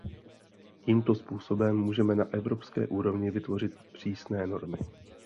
Tímto způsobem můžeme na evropské úrovni vytvořit přísné normy.